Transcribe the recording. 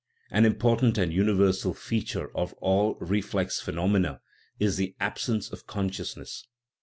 An important and universal feature of all reflex phe nomena is the absence of consciousness.